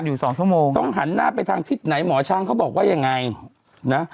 อยู่สองชั่วโมงต้องหันหน้าไปทางทิศไหนหมอช้างเขาบอกว่ายังไงนะ